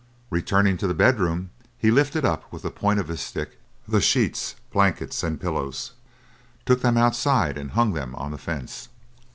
Returning to the bedroom, he lifted up with the point of his stick the sheets, blankets, and pillows, took them outside, and hung them on the fence.